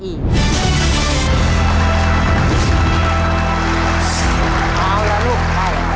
เอาละลูกใจ